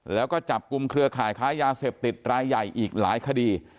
แล้วก็จับกลุ่มเครือข่ายค้ายาเสพติดรายใหญ่อีกหลายคดี